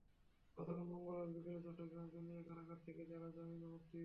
গতকাল মঙ্গলবার বিকেলে চট্টগ্রাম কেন্দ্রীয় কারাগার থেকে তাঁরা জামিনে মুক্তি পান।